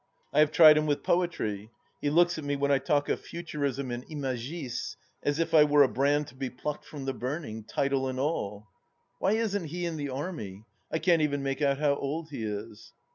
I have tried him with poetry. He looks at me when I talk of Futurism and Imagistes as if 1 were a brand to be plucked from the bumiug — ^title and all I ... Why isn't he in the army ? I can't even make out how old he is